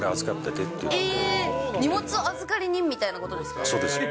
えー、荷物預かり人みたいなそうです。